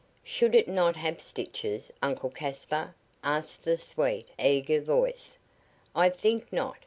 "Should it not have stitches, Uncle Caspar?" asked the sweet, eager voice. "I think not.